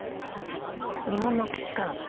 日本の基地から。